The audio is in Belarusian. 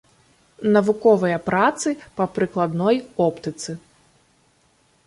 Навуковыя працы па прыкладной оптыцы.